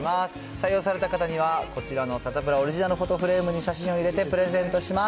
採用された方には、こちらのサタプラオリジナルフォトフレームに写真を入れてプレゼントします。